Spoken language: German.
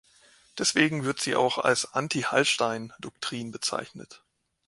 Deswegen wird sie auch als „Anti-Hallstein-Doktrin“ bezeichnet.